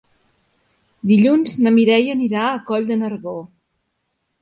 Dilluns na Mireia anirà a Coll de Nargó.